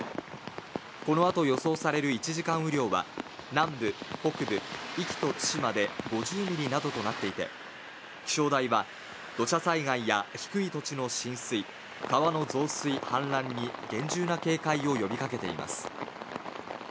このあと予想される１時間雨量は南部・北部、壱岐と対馬で５０ミリなどとなっていて気象台は土砂災害や低い土地の浸水、川の増水・氾濫に厳重な警戒を呼びかけています。